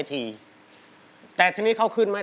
โอ้โห